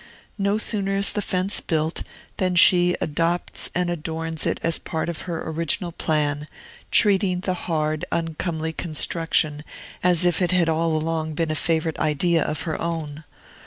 No sooner is the fence built than she adopts and adorns it as a part of her original plan, treating the hard, uncomely construction as if it had all along been a favorite idea of her own.